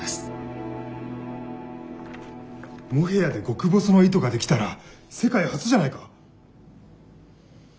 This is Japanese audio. モヘアで極細の糸ができたら世界初じゃないか？